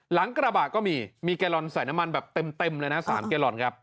หลังกระบะก็มีมีแกลลอนใส่น้ำมันแบบเต็มเลยนะ๓แกลลอนครับ